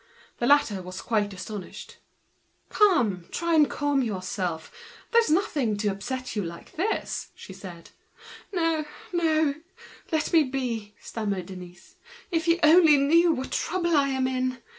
The latter was quite astonished. "Come, try and calm yourself; there's nothing in the affair to upset you like this." "No, no; let me be," stammered Denise. "If you only knew what trouble I am in!